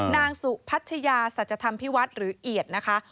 นางสุพัชยาสัจธรรมพิวัฒน์หรือเอียดนะคะ